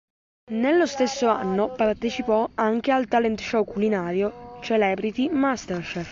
Nello stesso anno partecipò anche al talent show culinario "Celebrity Masterchef".